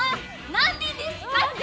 何年ですかって！